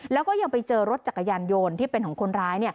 แล้วก็ยังไปเจอรถจักรยานยนต์ที่เป็นของคนร้าย